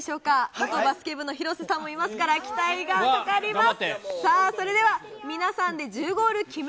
元バスケ部の広瀬さんもいますから、期待がかかります。